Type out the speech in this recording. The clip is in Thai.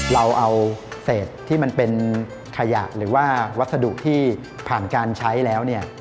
เราเอาเศษที่มันเป็นขยะหรือว่าวัสดุที่ผ่านการใช้แล้วเนี่ย